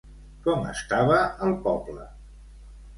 Com estava el poble?